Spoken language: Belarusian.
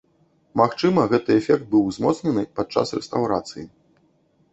Магчыма, гэты эфект быў узмоцнены падчас рэстаўрацыі.